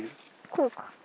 こうか。